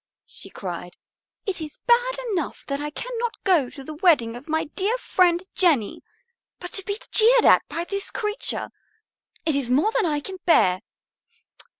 she cried. "It is bad enough that I cannot go to the wedding of my dear friend Jenny. But to be jeered at by this creature, it is more than I can bear.